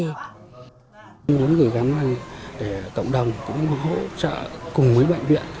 chúng tôi muốn gửi cảm ơn để cộng đồng cũng hỗ trợ cùng với bệnh viện